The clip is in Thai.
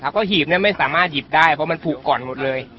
เพราะหีบไม่สามารถหยิบได้เพราะมันผูกก่อนหมดเลย